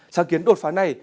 sáng kiến đột phá này